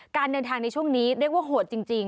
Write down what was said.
การเดินทางในช่วงนี้เรียกว่าโหดจริง